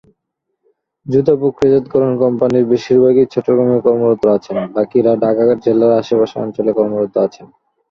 জুতা প্রক্রিয়াজাতকরণ কোম্পানির বেশিরভাগই চট্টগ্রামে কর্মরত আছে, বাকিরা ঢাকা জেলার আশেপাশের অঞ্চলে কর্মরত আছেন।